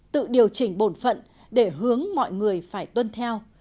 tự điều chỉnh bổn phận để hướng mọi người phải tuân theo